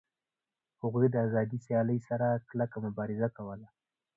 هغوی د آزادې سیالۍ سره کلکه مبارزه کوله